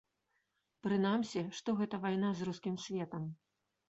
Прынамсі, што гэта вайна з рускім светам.